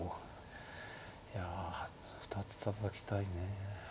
いや２つたたきたいね。